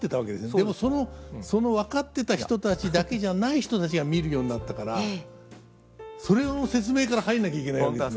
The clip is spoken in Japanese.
でもその分かってた人たちだけじゃない人たちが見るようになったからそれを説明から入んなきゃいけないわけですね。